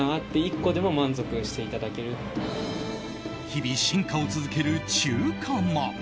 日々進化を続ける中華まん。